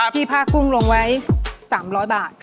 ที่ผ้ากุ้งลงไว้๓๐๐บาท